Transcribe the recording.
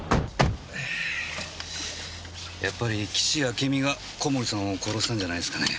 やっぱり岸あけみが小森さんを殺したんじゃないですかね？